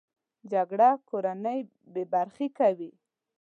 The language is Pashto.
جګړه کورنۍ بې برخې کوي